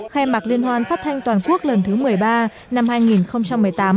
khai mạc liên hoan phát thanh toàn quốc lần thứ một mươi ba năm hai nghìn một mươi tám